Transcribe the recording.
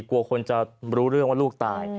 กลัวคนจะรู้เรื่องว่าลูกตาย